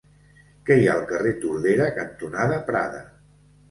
Què hi ha al carrer Tordera cantonada Prada?